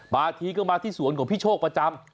บางทีก็มาที่สวนของพี่โชคประจำ